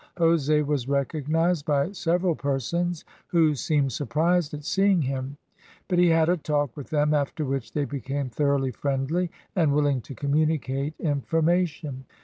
Jose was recognised by several persons, who seemed surprised at seeing him, but he had a talk with them, after which they became thoroughly friendly and willing to communicate information.